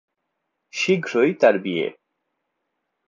শীঘ্রই তার বিয়ে।